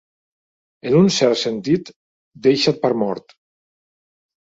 En un cert sentit, deixat per mort.